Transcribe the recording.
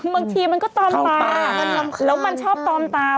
มันล้อมขามาก